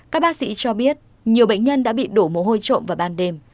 các bác sĩ cho biết nhiều bệnh nhân đã bị đổ mồ hôi trộm vào ban đêm